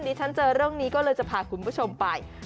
ฉันเจอเรื่องนี้ก็เลยจะพาคุณผู้ชมไป